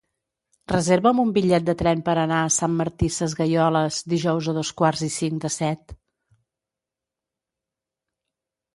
Reserva'm un bitllet de tren per anar a Sant Martí Sesgueioles dijous a dos quarts i cinc de set.